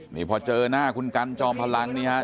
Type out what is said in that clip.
นี่พอเจอหน้าคุณกันจอมพลังนี่ฮะ